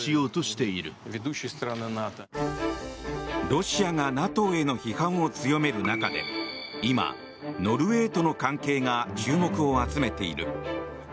ロシアがＮＡＴＯへの批判を強める中で今、ノルウェーとの関係が注目を集めている。